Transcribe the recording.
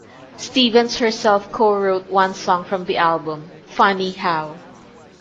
Stevens herself co-wrote one song from the album; "Funny How".